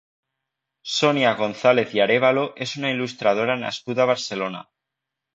Sònia González i Arévalo és una il·lustradora nascuda a Barcelona.